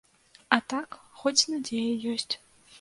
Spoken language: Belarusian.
А так, хоць надзея ёсць.